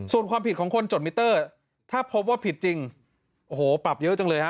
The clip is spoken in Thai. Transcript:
ส่วนความผิดของคนจดมิเตอร์ถ้าพบว่าผิดจริงโอ้โหปรับเยอะจังเลยฮะ